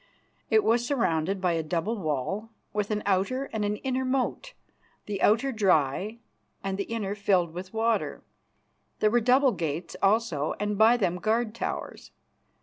It was surrounded by a double wall, with an outer and an inner moat, the outer dry, and the inner filled with water. There were double gates also, and by them guard towers.